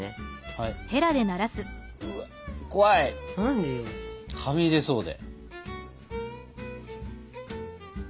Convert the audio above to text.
はみ出そうで。